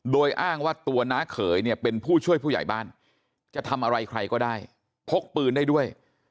โดยอ้างว่าตัวน้าเขยเนี่ยเป็นผู้ช่วยผู้ใหญ่บ้านจะทำอะไรใครก็ได้พกปืนได้ด้วย